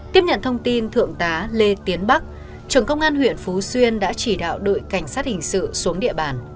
tiếp nhận thông tin thượng tá lê tiến bắc trưởng công an huyện phú xuyên đã chỉ đạo đội cảnh sát hình sự xuống địa bàn